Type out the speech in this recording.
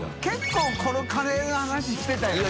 觜このカレーの話してたよね。